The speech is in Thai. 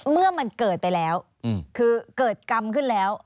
เมื่อมันเกิดไปแล้วคือเกิดกรรมขึ้นแล้ว